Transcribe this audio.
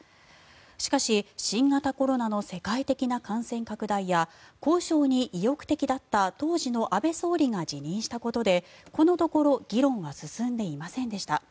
しかし新型コロナの世界的な感染拡大や交渉に意欲的だった当時の安倍総理が辞任したことで、このところ議論が進んでいませんでした。